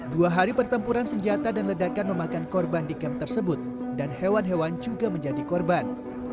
dua hari pertempuran senjata dan ledakan memakan korban di kamp tersebut dan hewan hewan juga menjadi korban